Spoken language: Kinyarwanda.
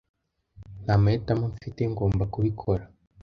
Nta mahitamo mfite. Ngomba kubikora.